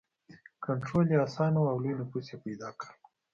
کنټرول یې اسانه و او لوی نفوس یې پیدا کړ.